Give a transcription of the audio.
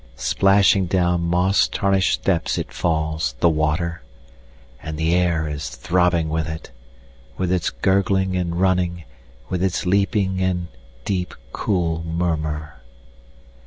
Splashing down moss tarnished steps It falls, the water; And the air is throbbing with it. With its gurgling and running. With its leaping, and deep, cool murmur.